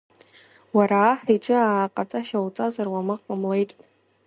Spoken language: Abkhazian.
Уара аҳ иҿы аа-ҟаҵашьа уҵазар, уамак ҟамлеит.